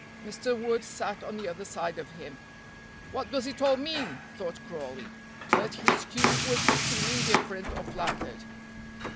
Mr. Wood sat on the other side of him. "What does it all mean?" thought Crawley, but his cue was to seem indifferent or flattered.